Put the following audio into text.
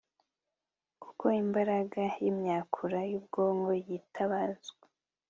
kuko imbaraga yimyakura yubwonko yitabazwa